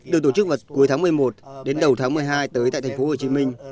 được tổ chức vào cuối tháng một mươi một đến đầu tháng một mươi hai tới tại thành phố hồ chí minh